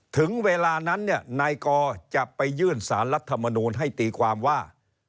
ถึงเวลานั้นเนี่ยนายกอจะไปยื่นสารรัฐมนูลให้ตีความว่า